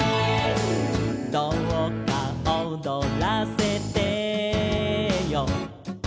「どうか踊らせてよ」